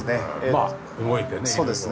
まあ動いてね色々。